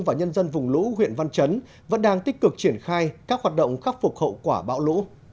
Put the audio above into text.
và nhân dân vùng lũ huyện văn chấn vẫn đang tích cực triển khai các hoạt động khắc phục hậu quả bão lũ